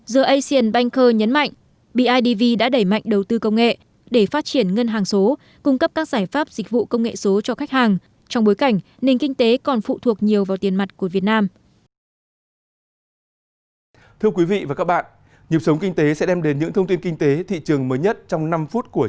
the asian banker nhấn mạnh bidv đã đẩy mạnh đầu tư công nghệ để phát triển ngân hàng số cung cấp các giải pháp dịch vụ công nghệ số cho khách hàng trong bối cảnh nền kinh tế còn phụ thuộc nhiều vào tiền mặt của việt nam